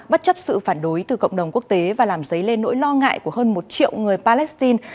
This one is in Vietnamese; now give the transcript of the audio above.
bất chấp sự phản đối từ cộng đồng quốc tế và làm dấy lên nỗi lo ngại của hơn một triệu người palestine